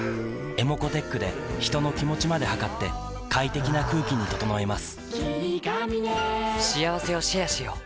ｅｍｏｃｏーｔｅｃｈで人の気持ちまで測って快適な空気に整えます